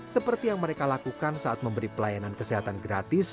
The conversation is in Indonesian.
seperti yang mereka lakukan saat memberi pelayanan kesehatan gratis